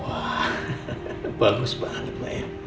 wah bagus banget mak